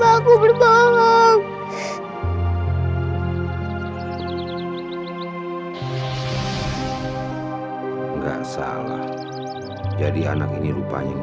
aku kan bicara jujur